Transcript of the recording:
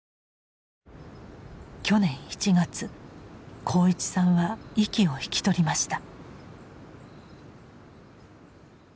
去年１月鋼一さんは息を引き取りました。